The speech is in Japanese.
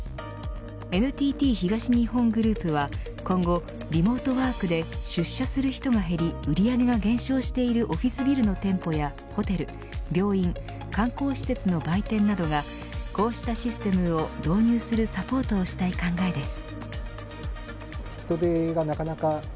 ＮＴＴ東日本グループは、今後リモートワークで出社する人が減り売り上げが減少しているオフィスビルの店舗やホテル病院、観光施設の売店などがこうしたシステムを導入するサポートをしたい考えです。